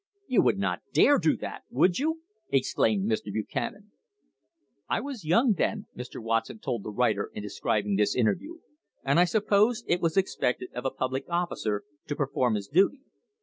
"You would not dare do that, would you?" exclaimed Mr. Buchanan. "I was young then," Mr. Watson told the writer in describ ing this interview, "and I supposed it was expected of a pub lic officer to perform his duty.